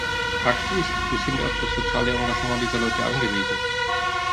Fakt ist, wir sind auf das soziale Engagement dieser Leute angewiesen.